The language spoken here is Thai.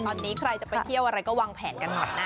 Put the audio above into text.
ตอนนี้ใครจะไปเที่ยวอะไรก็วางแผนกันหน่อยนะ